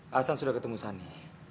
hasan sudah ketemu sani